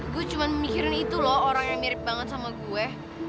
gue cuma mikirin itu loh orang yang mirip banget sama gue